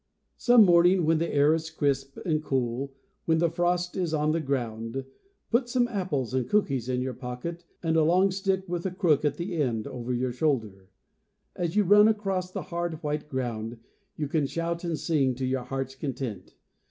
Some morning when the air is crisp and cool, when the frost is on the ground, put some apples and cookies in your pock et, and a long stick with a crook at the end over your shoulder. As you run across the hard white ground, you can shout and sing to your heart's content.